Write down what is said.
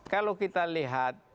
kalau kita lihat